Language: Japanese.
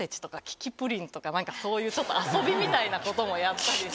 何かそういうちょっと遊びみたいなこともやったりして。